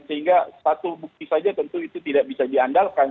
sehingga satu bukti saja tentu itu tidak bisa diandalkan